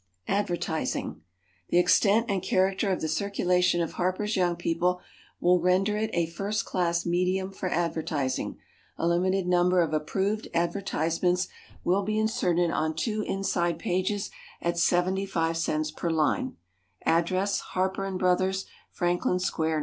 ADVERTISING. The extent and character of the circulation of HARPER'S YOUNG PEOPLE will render it a first class medium for advertising. A limited number of approved advertisements will be inserted on two inside pages at 75 cents per line. Address HARPER & BROTHERS, Franklin Square, N.